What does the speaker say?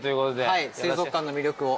はい水族館の魅力を。